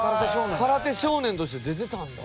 空手少年として出てたんだ？